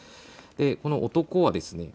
この男はですね